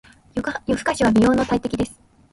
夜更かしは美容の大敵です。